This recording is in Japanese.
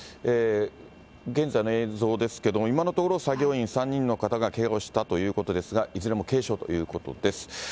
現在の映像ですけれども、今のところ、作業員３人の方がけがをしたということですが、いずれも軽傷ということです。